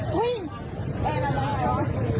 เป็นไรบ้างไหมอุ๊ย